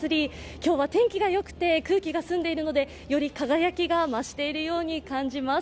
今日は天気がよくて空気が澄んでいるので、より輝きが増しているように感じます。